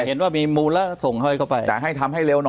เห็นว่ามีมูลแล้วส่งเข้าไป